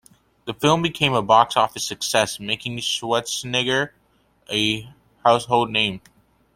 The film became a box office success, making Schwarzenegger a household name.